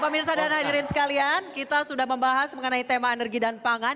pemirsa dan hadirin sekalian kita sudah membahas mengenai tema energi dan pangan